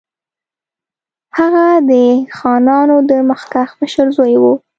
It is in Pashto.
هغه د خانانو د مخکښ مشر زوی وو.